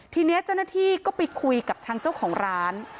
ทีนี้เจ้าหน้าที่ก็ไปคุยกับทางเจ้าของร้าน